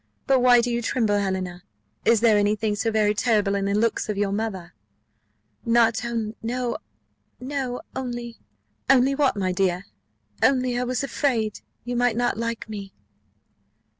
But why do you tremble, Helena? Is there any thing so very terrible in the looks of your mother?" "No, only " "Only what, my dear?" "Only I was afraid you might not like me."